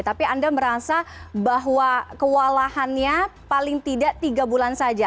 tapi anda merasa bahwa kewalahannya paling tidak tiga bulan saja